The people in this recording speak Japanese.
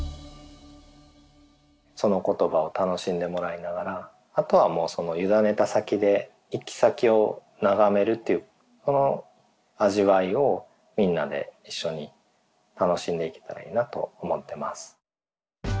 その言葉を楽しんでもらいながらあとはもうゆだねた先で行き先を眺めるっていうこの味わいをみんなで一緒に楽しんでいけたらいいなと思ってます。